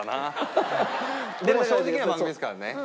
でも正直な番組ですからね。